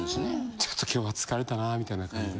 ちょっと今日は疲れたなみたいな感じで。